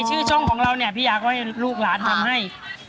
ชื่อช่องของเราเนี่ยพี่อยากให้ลูกหลานทำให้